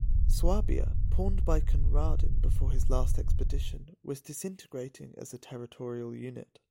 Swabia, pawned by Conradin before his last expedition, was disintegrating as a territorial unit.